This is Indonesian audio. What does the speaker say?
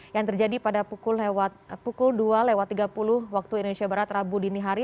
yang terjadi pada pukul dua tiga puluh waktu indonesia barat rabu dini hari